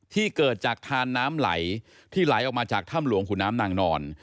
เกิดจากทานน้ำไหลที่ไหลออกมาจากถ้ำหลวงขุนน้ำนางนอน